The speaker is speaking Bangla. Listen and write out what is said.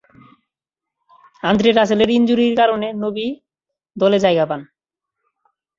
আন্দ্রে রাসেল এর ইনজুরির কারণে নবী দলে জায়গা পান।